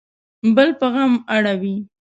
بل په غم اړوي